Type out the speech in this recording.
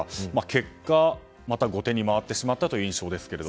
結果、また後手に回ってしまったという印象ですが。